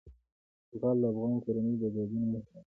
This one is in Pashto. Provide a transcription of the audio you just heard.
زغال د افغان کورنیو د دودونو مهم عنصر دی.